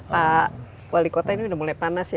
pak wali kota ini sudah mulai panas ya